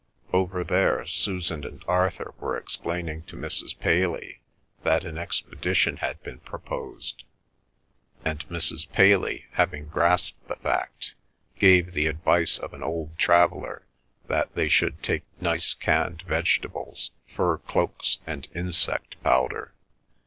Over there Susan and Arthur were explaining to Mrs. Paley that an expedition had been proposed; and Mrs. Paley having grasped the fact, gave the advice of an old traveller that they should take nice canned vegetables, fur cloaks, and insect powder.